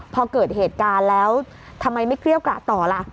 พอเกิดเหตุการณ์แล้วทำไมไม่เกรี้ยวกระต่อล่ะ